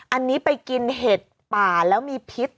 อันนี้ไปกินเห็ดป่าแล้วมีพิษ